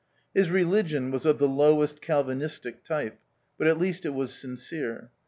His religion was of the lowest Calvinistic type, but at least it was sincere.